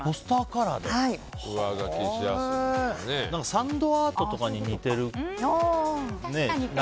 サンドアートとかに似てるね。